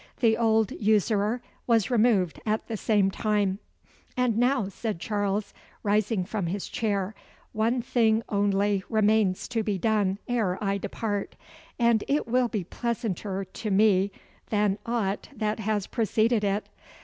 The old usurer was removed at the same time. "And now," said Charles, rising from his chair, "one thing only remains to be done ere I depart, and it will he pleasanter to me than aught that has preceded it.